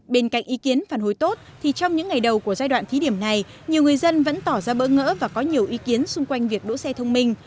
bên cạnh ý kiến phản hồi tốt thì trong những ngày đầu của giai đoạn thí điểm này nhiều người dân vẫn tỏ ra bỡ ngỡ và có nhiều ý kiến xung quanh việc đỗ xe thông minh